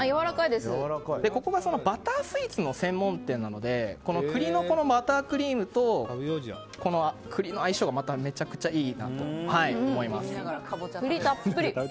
ここがバタースイーツの専門店なので栗のバタークリームと栗の相性がめちゃくちゃいいなと思います。